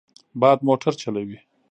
باد موټر چلوي.